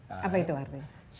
apa itu ardi